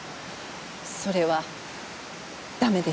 それは駄目です。